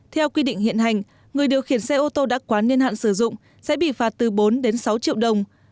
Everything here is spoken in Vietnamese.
theo quy định hiện hành người điều khiển xe ô tô đã quá niên hạn sử dụng sẽ bị phạt từ bốn đến sáu triệu đồng